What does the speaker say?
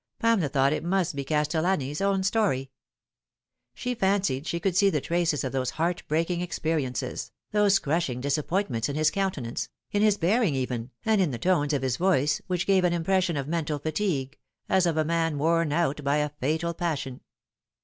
Pamela thought it must be Cas tellani's own story. She fancied she could see the traces of those heart breaking experiences, those crushing disappointments in his countenance, in his bearing even, and in the tones of his voice, which gave an impression of mental fatigue, as of a man worn out by a fatal passion.